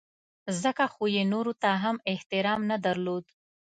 ځکه خو یې نورو ته هم احترام نه درلود.